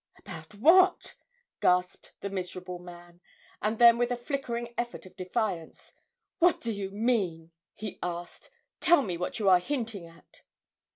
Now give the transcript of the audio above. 'About what?' gasped the miserable man, and then with a flickering effort at defiance, 'What do you mean?' he asked, 'tell me what you are hinting at?'